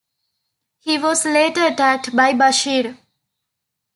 He was later attacked by Bashir.